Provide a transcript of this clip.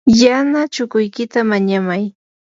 yana chukuykita mañamay.